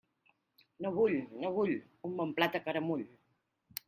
No vull, no vull, un bon plat a caramull.